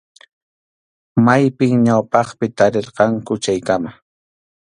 Maypim ñawpaqpi tarirqanku chaykama.